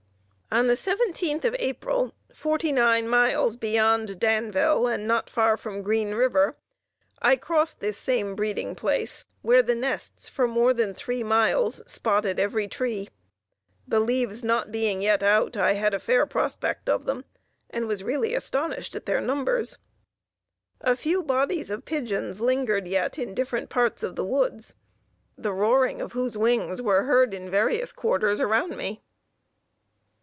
On the seventeenth of April, forty nine miles beyond Danville, and not far from Green River, I crossed this same breeding place, where the nests, for more than three miles, spotted every tree; the leaves not being yet out I had a fair prospect of them, and was really astonished at their numbers. A few bodies of pigeons lingered yet in different parts of the woods, the roaring of whose wings were heard in various quarters around me.